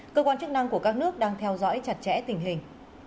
cơ quan chức năng của các nước đang theo dõi chặt chẽ tình hình